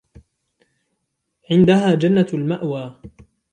عندها جنة المأوى